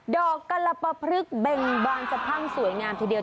กะละปะพลึกเบ่งบางสะพั่งสวยงามทีเดียว